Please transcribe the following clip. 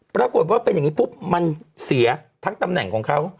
ปรากฏว่าเป็นอย่างนี้ปุ๊บมันเสียทั้งตำแหน่งของเขา